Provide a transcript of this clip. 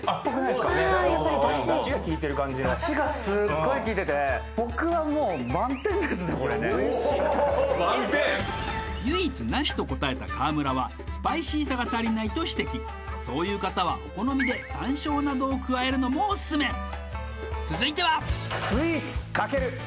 これねおっ満点唯一なしと答えた川村はスパイシーさが足りないと指摘そういう方はお好みで山椒などを加えるのもオススメ続いてはスイーツ？